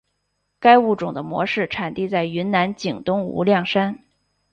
该物种的模式产地在云南景东无量山。